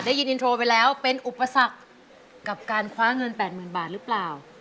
อินโทรไปแล้วเป็นอุปสรรคกับการคว้าเงิน๘๐๐๐บาทหรือเปล่า